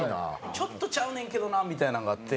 ちょっとちゃうねんけどなみたいなんがあって。